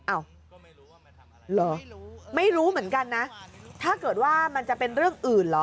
เหรอไม่รู้เหมือนกันนะถ้าเกิดว่ามันจะเป็นเรื่องอื่นเหรอ